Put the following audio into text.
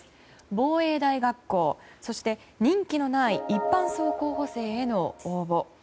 防衛大学校、そして任期のない一般曹候補生への応募。